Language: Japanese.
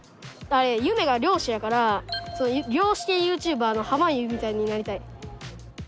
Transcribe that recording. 夢が漁師やから漁師系ユーチューバーのはまゆうみたいになりたい。